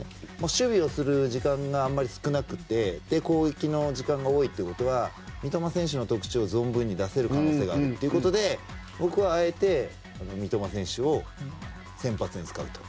守備をする時間があまり少なくて攻撃の時間が多いということは三笘選手の特徴を存分に出せる可能性があるということで僕はあえて、三笘選手を先発に使うと。